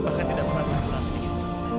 bahkan tidak memantahkan kalian sedikit